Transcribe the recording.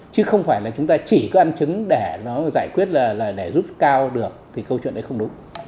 chứ không phải là chúng ta chỉ có ăn chứng để nó giải quyết là để giúp cao được thì câu chuyện đấy không đúng